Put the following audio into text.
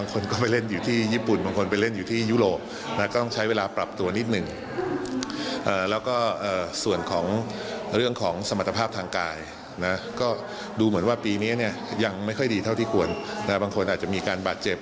ก็ดูเหมือนว่าปีนี้เนี่ยยังไม่ค่อยดีเท่าที่ควรแต่บางคนอาจจะมีการบาดเจ็บ